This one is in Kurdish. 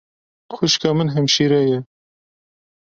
Xwîşka min hemşîre ye.